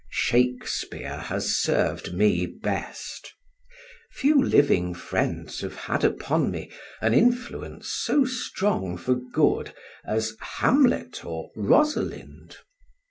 Shakespeare has served me best. Few living friends have had upon me an influence so strong for good as Hamlet or Rosalind.